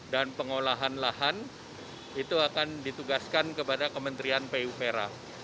dan pengolahan lahan itu akan ditugaskan kepada kementerian pupera